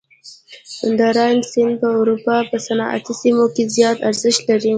د راین سیند په اروپا په صنعتي سیمو کې زیات ارزښت لري.